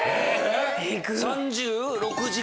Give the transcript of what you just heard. ３６時間？